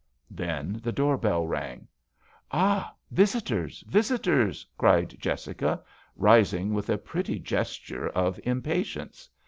Then the door bell rang. " Ah ! visitors, visitors," cried Jessica, rising with a pretty gesture of impatience.